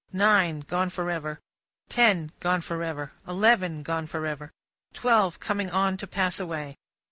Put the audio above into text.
Nine gone for ever, ten gone for ever, eleven gone for ever, twelve coming on to pass away.